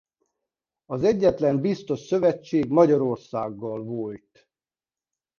Az egyetlen biztos szövetség Magyarországgal volt.